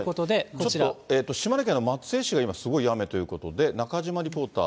ちょっと島根県の松江市が今、すごい雨ということで、中島リポーター。